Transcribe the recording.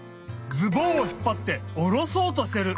ズボンをひっぱっておろそうとしてる！